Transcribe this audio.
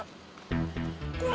kesel sama black bobo